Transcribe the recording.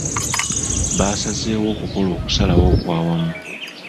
Baasazeewo okukola okusalawo okw'awamu.